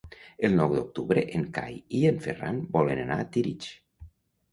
El nou d'octubre en Cai i en Ferran volen anar a Tírig.